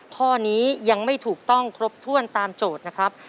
ข้อนี้ยังไม่ถูกต้องครบถ้วนตามโจทย์นะครับ